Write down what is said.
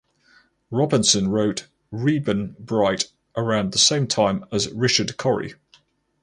Robinson wrote "Reuben Bright" around the same time as "Richard Cory".